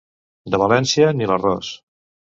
De València, ni l'arròs.